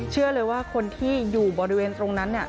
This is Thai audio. เชื่อเลยว่าคนที่อยู่บริเวณตรงนั้นเนี่ย